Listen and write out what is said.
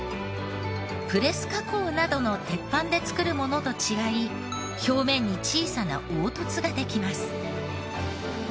プレス加工などの鉄板で作るものと違い表面に小さな凹凸ができます。